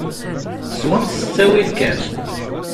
Swemt s ttawil kan!